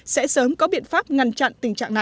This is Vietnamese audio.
sẽ sớm có biện pháp ngăn chặn tình trạng này